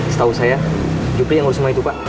setahu saya jupri yang harus semua itu pak